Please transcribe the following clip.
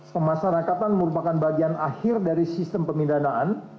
pemasarakatan merupakan bagian akhir dari sistem pemidanaan